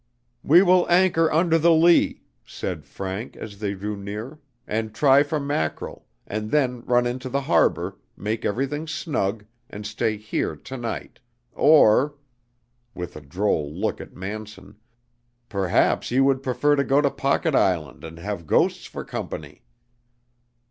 "We will anchor under the lee," said Frank, as they drew near, "and try for mackerel, and then run into the harbor, make everything snug, and stay here to night, or" with a droll look at Manson "perhaps you would prefer to go to Pocket Island and have ghosts for company!"